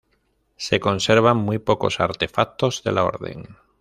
Se conservan muy pocos artefactos de la Orden.